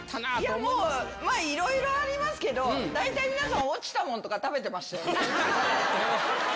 もう、いろいろありますけど、大体皆さん、落ちたもんとか食べてましたよね。